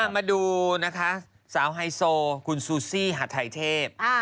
มาดูนะคะสาวไฮโซคุณซูซี่หัดไทยเทพ